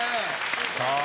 さあ